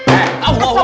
eh allah allah